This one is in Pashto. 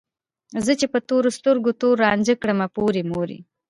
زه چې په تورو سترګو تور رانجه کړم پورې مورې